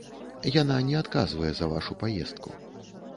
Яна не адказвае за вашу паездку.